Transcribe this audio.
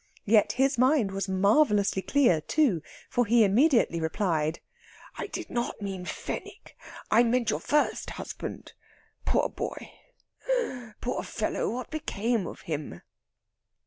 Yet his mind was marvellously clear, too; for he immediately replied: "I did not mean Fenwick. I meant your first husband. Poor boy! poor fellow! What became of him?"